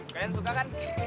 kalian suka kan